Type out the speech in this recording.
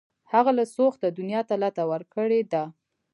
هغه له سوخته دنیا ته لته ورکړې ده